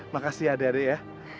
makasih ya adek adek ya